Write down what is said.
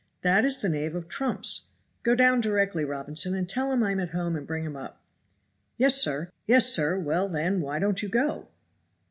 That is the knave of trumps; go down directly, Robinson, and tell him I'm at home and bring him up." "Yes, sir!" "Yes, sir! Well, then, why don't you go!"